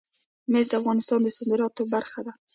مس د افغانستان د صادراتو برخه ده.